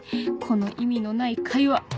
この意味のない会話